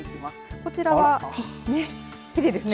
こちら、きれいですね。